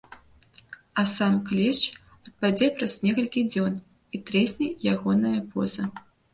А сам клешч адпадзе праз некалькі дзён, і трэсне ягонае пуза.